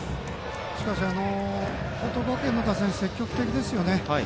しかし、報徳学園の打線積極的ですよね。